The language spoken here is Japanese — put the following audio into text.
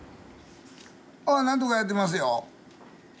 ああなんとかやってますよ。